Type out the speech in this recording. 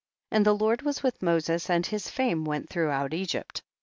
50. And the Lord was with Mo ses and his fame went throughout Egypt.